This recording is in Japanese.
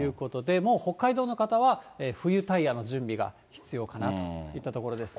もう北海道の方は冬タイヤの準備が必要かなといったところですね。